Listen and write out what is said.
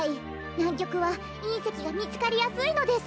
なんきょくはいんせきがみつかりやすいのです。